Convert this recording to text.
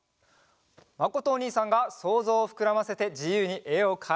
まことおにいさんがそうぞうをふくらませてじゆうにえをかいてみるよ！